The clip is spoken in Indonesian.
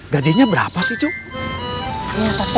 gajinya berapa sih cukup